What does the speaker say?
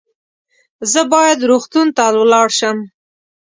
زه باید روغتون ته ولاړ شم